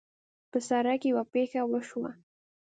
په سړک کې یوه پېښه وشوه